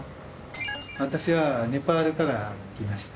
私はネパールから来ました。